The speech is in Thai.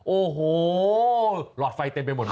โอ้โหหลอดไฟเต็มไปหมดเลย